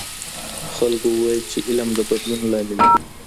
خلکو وویل چې علم د بدلون لامل دی.